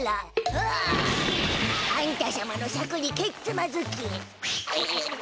うわっ！あんた様のシャクにけっつまずき。